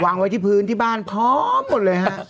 วางไว้ที่พื้นที่บ้านพร้อมหมดเลยฮะ